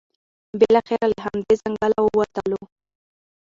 بالاخره له همدې ځنګل ووتلو.